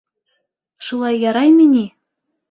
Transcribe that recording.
Шулай яраймы ни?